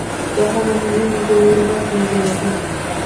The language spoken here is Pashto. دا هغه مېوې وې چې لویه برخه یې جوړه کړه.